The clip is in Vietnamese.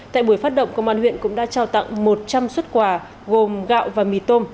tại buổi phát động công an huyện cũng đã trao tặng một trăm linh xuất quà gồm gạo và mì tôm